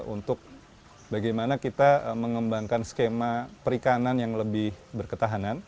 untuk bagaimana kita mengembangkan skema perikanan yang lebih berketahanan